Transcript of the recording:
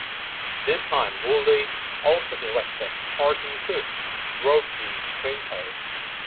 This time Wilde also directed; Horton Foote wrote the screenplay.